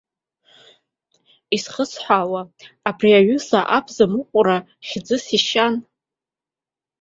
Изхысҳәаауа, абри аҩыза абзамыҟәра хьӡыс ишьан.